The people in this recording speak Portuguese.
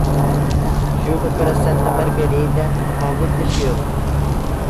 Chuva para Santa Margarida, maldita chuva.